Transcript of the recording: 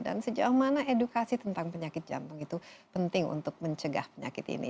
sejauh mana edukasi tentang penyakit jantung itu penting untuk mencegah penyakit ini